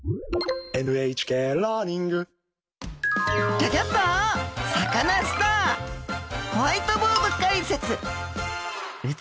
「ギョギョッとサカナ★スター」ホワイトボード解説！